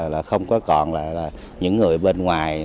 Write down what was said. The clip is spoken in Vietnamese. là không có còn là những người bên ngoài